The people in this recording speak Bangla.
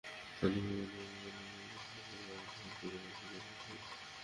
রাতে ঘুমাতে গিয়ে অলোকা দেখে ব্যাংক কর্মকর্তা স্বামীটি গম্ভীর, সিলিংয়ের দিকে মুখ।